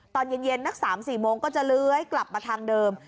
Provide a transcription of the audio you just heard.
ตอนเย็นนัก๓๔โมงก็จะเลื้อยกลับมาทางเดิม